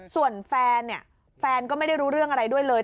ส่วนแฟนเนี่ยแฟนก็ไม่ได้รู้เรื่องอะไรด้วยเลย